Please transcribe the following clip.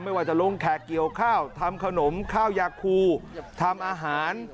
ไม่ว่าจะลงแขกเกี่ยวข้าวทำขนมข้าวยาคูทำอาหาร